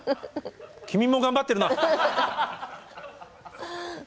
君も頑張ってるな。